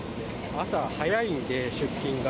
朝早いんで、出勤が。